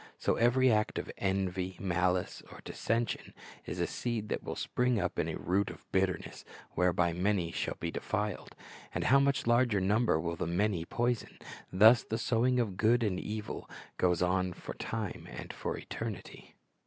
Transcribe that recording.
So every act of envy, malice, or dissension, is a seed that will spring up in a "root of bitterness,"^ whereby many shall be defiled. And how much larger number will the "many" poison. Thus the sowing of good and evil goes on for time and for eternity.